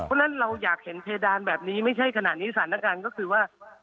เพราะฉะนั้นเราอยากเห็นเพดานแบบนี้ไม่ใช่ขนาดนี้สถานการณ์ก็คือว่า